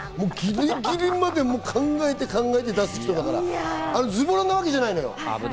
ぎりぎりまで考えて考えて出す人だから、ずぼらなわけじゃないのよ。